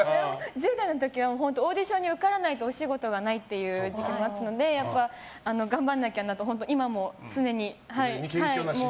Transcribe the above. １０代の時はオーディションに受からないとお仕事がないという時期もあったのでやっぱり頑張らなきゃなと今も常に。